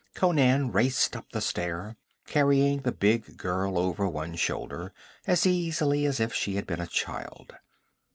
Conan raced up the stair, carrying the big girl over one shoulder as easily as if she had been a child.